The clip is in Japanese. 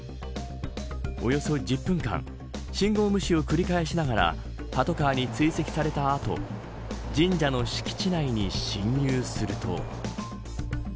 およそ１０分間信号無視を繰り返しながらパトカーに追跡された後神社の敷地内に侵入すると。